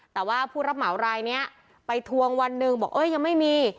แต่ว่าผู้รับเหมารายนี้ไปทวงวันหนึ่งบอกยังไม่มี